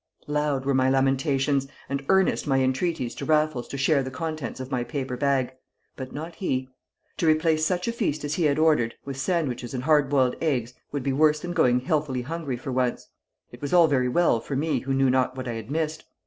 Loud were my lamentations, and earnest my entreaties to Raffles to share the contents of my paper bag; but not he. To replace such a feast as he had ordered with sandwiches and hard boiled eggs would be worse than going healthily hungry for once; it was all very well for me who knew not what I had missed.